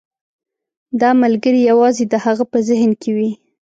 دا ملګری یوازې د هغه په ذهن کې وي.